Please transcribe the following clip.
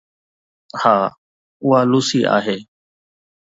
ها، اها لوسي آهي